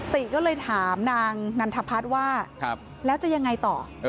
ติก็เลยถามนางนันทพัฒน์ว่าแล้วจะยังไงต่อ